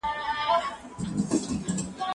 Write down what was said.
ايا ته منډه وهې،